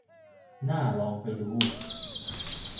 น่าลองไปดู